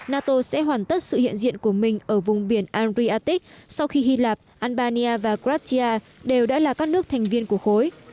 nato sẽ hoàn tất sự hiện diện của mình ở vùng biển adriatic sau khi hy lạp albania và croatia đều đã là các nước thành viên của khối